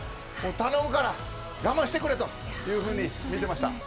頼むから我慢してくれと言うふうに見てました。